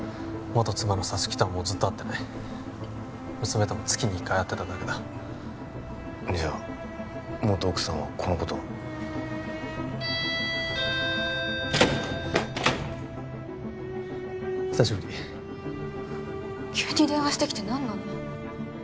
元妻の沙月とはもうずっと会ってない娘とも月に一回会ってただけだじゃあ元奥さんはこのことを久しぶり急に電話してきて何なの？